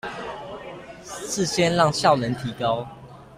是先讓效能提高